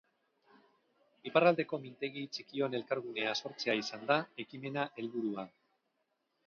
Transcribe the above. Iparraldeko mintegi txikion elkargunea sortzea izan da ekimena helburua